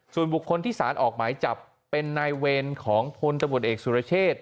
ส่วนบุคคลที่สารออกหมายจับเป็นนายเวรของพลตำรวจเอกสุรเชษ